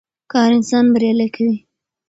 کار انسان بريالی کوي.